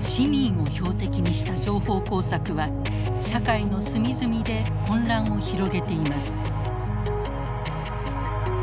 市民を標的にした情報工作は社会の隅々で混乱を広げています。